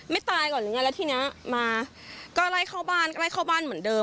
ไม่ตายก่อนแล้วทีนี้มาก็ไล่เข้าบ้านเหมือนเดิม